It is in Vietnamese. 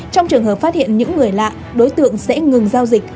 trong trường hợp phát hiện những người lạ đối tượng sẽ ngừng giao dịch